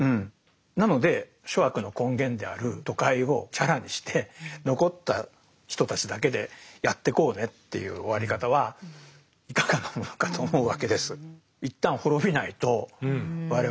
なので諸悪の根源である都会をチャラにして残った人たちだけでやってこうねっていう終わり方はいかがなものかと思うわけです。